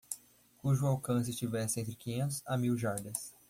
cujo alcance estivesse entre quinhentos a mil jardas.